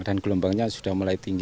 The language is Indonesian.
dan gelombangnya sudah mulai tinggi